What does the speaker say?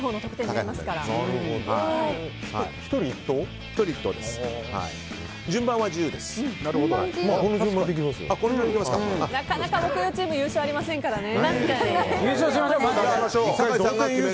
なかなか木曜チーム優勝ありませんからね。